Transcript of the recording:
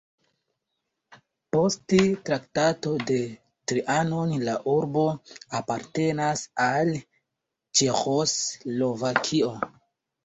Post Traktato de Trianon la urbo apartenis al Ĉeĥoslovakio.